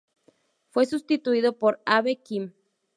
Fue sustituido por Abe Kim.